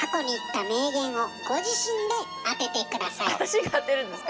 私が当てるんですか？